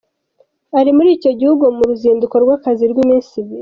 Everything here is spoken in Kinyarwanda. Ari muri icyo gihugu mu ruzinduko rw’akazi rw’iminsi ibiri.